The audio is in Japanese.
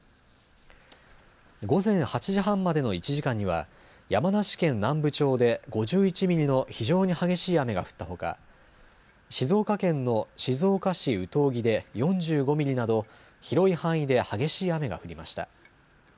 午前８時半までの１時間には山梨県南部町で５１ミリの非常に激しい雨が降ったほか、静岡県の静岡市有東木で４５ミリなど広い範囲で激しい雨が降りました。